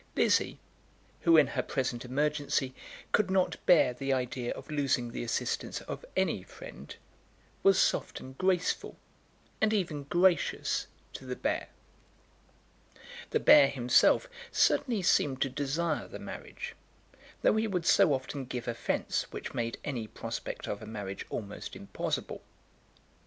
Lizzie, who in her present emergency could not bear the idea of losing the assistance of any friend, was soft and graceful, and even gracious, to the bear. The bear himself certainly seemed to desire the marriage, though he would so often give offence which made any prospect of a marriage almost impossible.